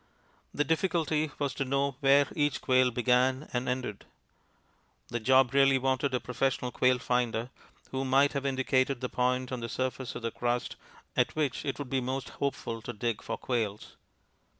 The difficulty was to know where each quail began and ended; the job really wanted a professional quail finder, who might have indicated the point on the surface of the crust at which it would be most hopeful to dig for quails.